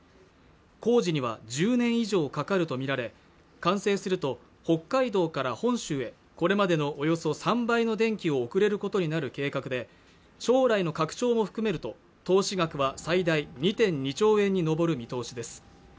工事には１０年以上かかるとみられ完成すると北海道から本州へこれまでのおよそ３倍の電気を送れることになる計画で将来の拡張も含めると投資額は最大２．２兆円に上る見通しです